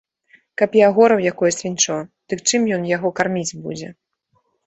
Каб і агораў якое свінчо, дык чым ён яго карміць будзе.